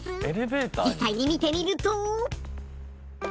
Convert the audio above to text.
実際に見てみると。